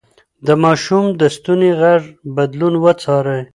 د ماشوم د ستوني غږ بدلون وڅارئ.